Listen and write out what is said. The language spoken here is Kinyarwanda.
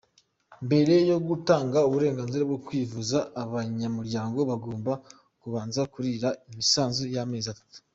Mbere yo gutanga uburenganzira bwo kwivuza abanyamuryango bagomba kubanza kuriha imisanzu y’amezi atatu.